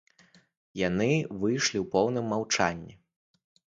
Яны выйшлі ў поўным маўчанні.